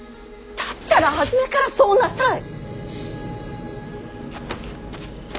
だったら初めからそうなさい！